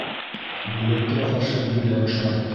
Бүләккә ҡаршы бүләк шарт.